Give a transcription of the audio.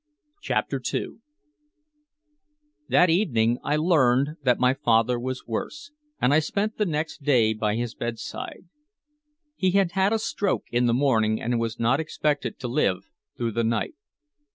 CHAPTER II That evening I learned that my father was worse, and I spent the next day by his bedside. He had had a stroke in the morning and was not expected to live through the night.